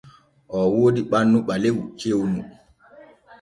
Oo woodi ɓannu ɓalew cewnu.